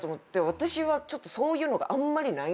私はそういうのがあんまりない。